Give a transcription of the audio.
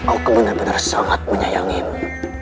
aku benar benar sangat menyayangimu